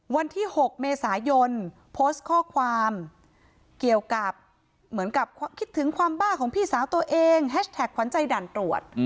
วันที่๖เมษายนโพสต์ข้อความเกี่ยวกับเหมือนกับคิดถึงความบ้าของพี่สาวตัวเองแฮชแท็กขวัญใจด่านตรวจ